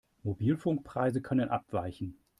Mobilfunkpreise können abweichen.